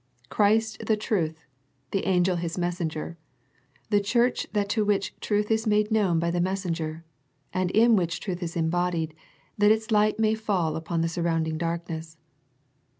Christ the truth, the angel His messenger, the Church that to which truth is made known by the messenger, and in which truth is embodied, that its light may fall upon the surrounding darkness.